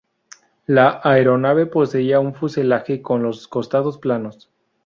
La aeronave poseía un fuselaje con los costados planos.